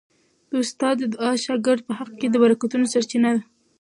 د استاد دعا د شاګرد په حق کي د برکتونو سرچینه ده.